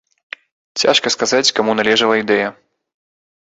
Цяжка сказаць, каму належала ідэя.